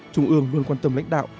trung ương luôn quan tâm lãnh đạo